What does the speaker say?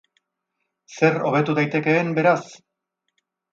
Zer hobetu daitekeen, beraz?